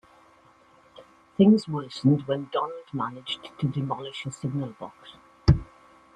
Things worsened when Donald managed to demolish a signal box.